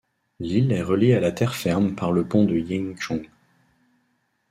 L'île est reliée à la terre-ferme par le pont de Yeongjong.